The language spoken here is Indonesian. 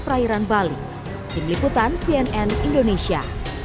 perairan bali tim liputan cnn indonesia